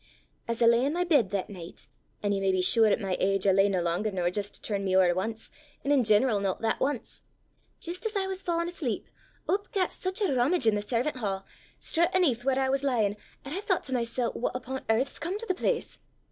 "As I lay i' my bed that nicht an' ye may be sure at my age I lay nae langer nor jist to turn me ower ance, an' in general no that ance jist as I was fa'in' asleep, up gat sic a romage i' the servan' ha', straucht 'aneth whaur I was lyin', that I thoucht to mysel', what upo' earth's come to the place!